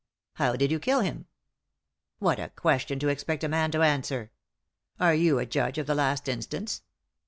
" How did you kill him ?"" What a question to expect a man to answer I Are you a judge of the last instance